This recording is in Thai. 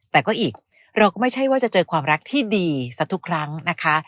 แต่ก็อีกเราก็ไม่ใช่ว่าจะเจอความรักที่ดีสักทุกครั้งนะคะ